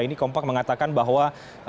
ini kompak mengatakan bahwa